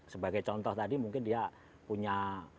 sebagai contoh tadi mungkin dia punya